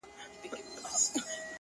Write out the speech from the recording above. و دې محفل ته سوخه شنگه پېغلچکه راځي;